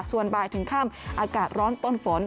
ส่วนบ่ายถึงค่ำอากาศร้อนป้นฝน